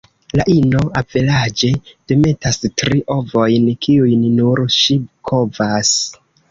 La ino averaĝe demetas tri ovojn, kiujn nur ŝi kovas.